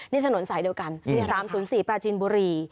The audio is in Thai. นี่ถนนสายเดียวกัน๓๐๔ปราจินบุรี